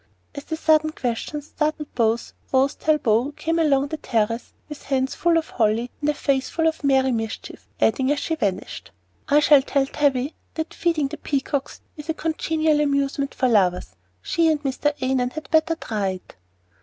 As the sudden question startled both, Rose Talbot came along the terrace, with hands full of holly and a face full of merry mischief, adding as she vanished, "I shall tell Tavie that feeding the peacocks is such congenial amusement for lovers, she and Mr. Annon had better try it."